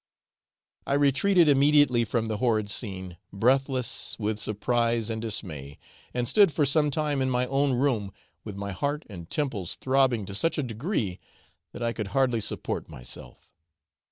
I retreated immediately from the horrid scene, breathless with surprise and dismay, and stood for some time in my own room, with my heart and temples throbbing to such a degree that I could hardly support myself.